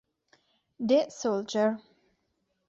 The Soldier